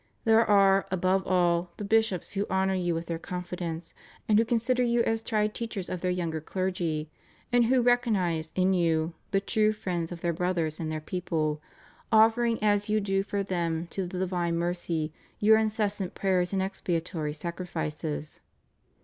There are, above all, the bishops who honor you with their confidence, and who consider you as tried teachers of their younger clergy, and who recognize in you the true friends of their brothers and their people, offering as you do for them to the divine mercy your incessant prayers and expiatory sacrifices.